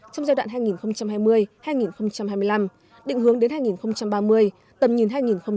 trong giai đoạn hai nghìn hai mươi hai nghìn hai mươi năm định hướng đến hai nghìn ba mươi tầm nhìn hai nghìn bốn mươi năm